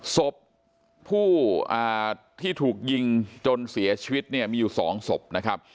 ศพผู้ที่ถูกยิงจนเสียชีวิตเนี่ยมีอยู่๒ศพนะครับ